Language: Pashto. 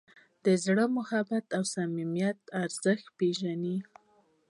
زړه د محبت او صمیمیت ارزښت پېژني.